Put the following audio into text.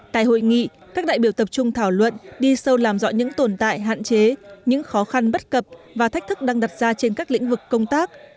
tại hội nghị các đại biểu tập trung thảo luận đi sâu làm rõ những tồn tại hạn chế những khó khăn bất cập và thách thức đang đặt ra trên các lĩnh vực công tác